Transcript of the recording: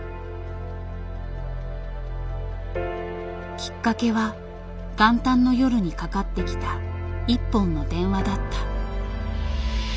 きっかけは元旦の夜にかかってきた１本の電話だった。